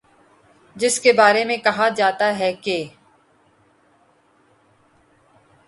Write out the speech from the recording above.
جس کے بارے میں کہا جاتا ہے کہ